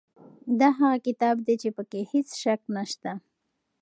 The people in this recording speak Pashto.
دا هغه کتاب دی چې په کې هیڅ شک نشته.